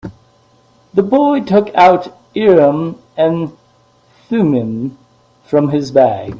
The boy took out Urim and Thummim from his bag.